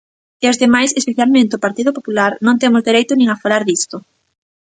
E os demais, especialmente o Partido Popular, non temos dereito nin a falar disto.